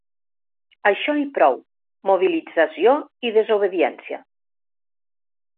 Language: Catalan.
Això i prou: mobilització i desobediència.